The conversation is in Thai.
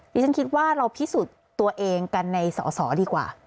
ดิฉันคิดว่าเราพิสูจน์ตัวเองกันในสอสอดีกว่า